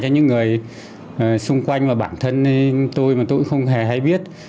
những người xung quanh và bản thân tôi mà tôi cũng không hề hay biết